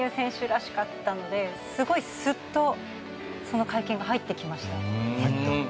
らしかったのですごいすっと、その会見が入ってきました。